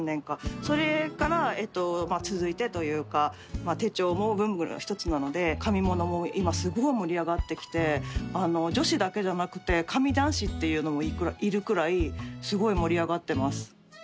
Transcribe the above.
それからえっと続いてというか手帳も文具の一つなので紙物も今すごい盛り上がってきて女子だけじゃなくて紙男子っていうのもいるくらいすごい盛り上がってます。